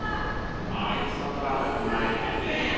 ああインスタントラーメンうまいよね絶対。